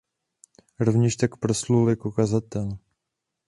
Rovněž tak proslul jako kazatel.